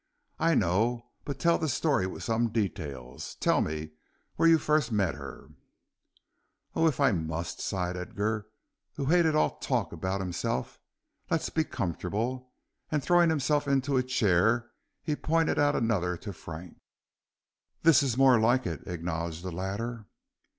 "I know, but tell the story with some details; tell me where you first met her." "Oh, if I must," sighed Edgar, who hated all talk about himself, "let's be comfortable." And throwing himself into a chair, he pointed out another to Frank. "This is more like it," acknowledged the latter.